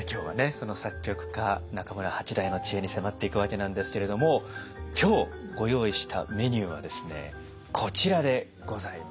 その作曲家中村八大の知恵に迫っていくわけなんですけれども今日ご用意したメニューはですねこちらでございます。